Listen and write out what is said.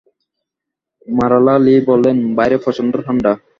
মারালা লি বললেন, বাইরে প্রচণ্ড ঠাণ্ডা।